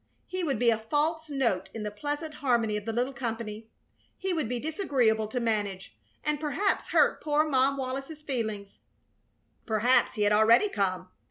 He would be a false note in the pleasant harmony of the little company. He would be disagreeable to manage, and perhaps hurt poor Mom Wallis's feelings. Perhaps he had already come.